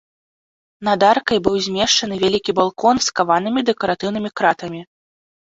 Над аркай быў змешчаны вялікі балкон з каванымі дэкаратыўнымі кратамі.